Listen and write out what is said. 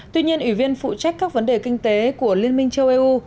tuy nhiên ủy viên phụ trách các vấn đề kinh tế của liên minh châu âu